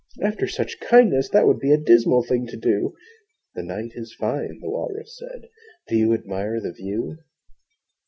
'After such kindness, that would be A dismal thing to do!' 'The night is fine,' the Walrus said, 'Do you admire the view?'